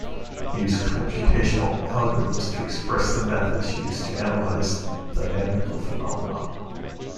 We use computational algorithms to express the methods used to analyze dynamical phenomena.